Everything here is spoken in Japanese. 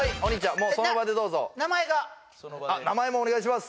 もうその場でどうぞあっ名前もお願いします！